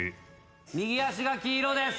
右足が黄色です。